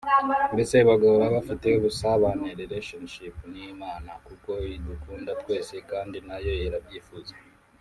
Mbese bagahora bafite ubusabane (Relationship) n’Imana kuko idukunda twese kandi na yo irabyifuza